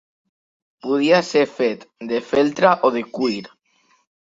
Podia ser fet de feltre o de cuir.